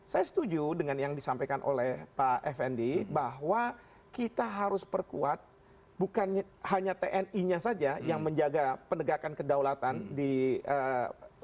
saya setuju dengan yang disampaikan oleh pak fnd bahwa kita harus perkuat bukan hanya tni nya saja yang menjaga penegakan kedaulatan di indonesia